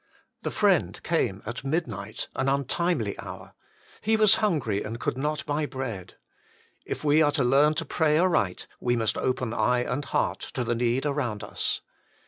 The friend came at midnight an untimely hour. He was hungry, and could not buy bread. If we are to learn to pray aright we must open eye and heart to the need around us.